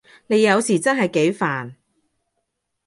你有時真係幾煩